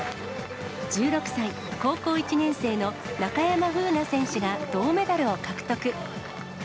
１６歳、高校１年生の中山楓奈選手が銅メダルを獲得。